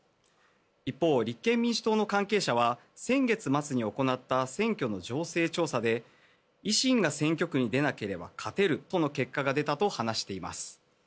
一方、立憲民主党の関係者は先月末に行った選挙の情勢調査で維新が選挙区に出なければ勝てるとの結果が出たと話しています。